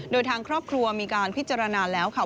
โดยทางครอบครัวมีการพิจารณาแล้วค่ะ